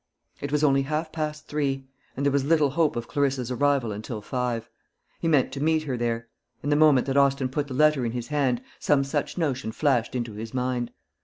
It was only half past three; and there was little hope of Clarissa's arrival until five. He meant to meet her there. In the moment that Austin put the letter in his hand some such notion flashed into his mind.